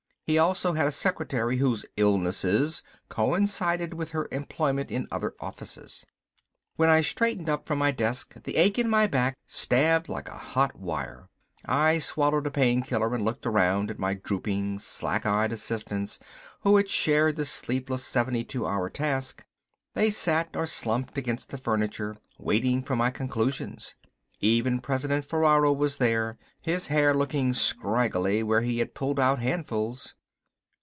He also had a secretary whose "illnesses" coincided with her employment in other offices. When I straightened up from my desk the ache in my back stabbed like a hot wire. I swallowed a painkiller and looked around at my drooping, sack eyed assistants who had shared the sleepless seventy two hour task. They sat or slumped against the furniture, waiting for my conclusions. Even President Ferraro was there, his hair looking scraggly where he had pulled out handfuls.